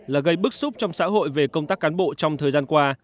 là gây bức xúc trong xã hội về công tác cán bộ trong thời gian qua